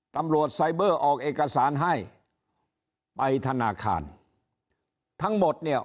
ตำรวจไซเบอร์ออกเอกสารให้ไปธนาคารทั้งหมดเนี่ย